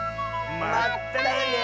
まったね！